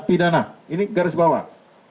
bidana ini garis bawah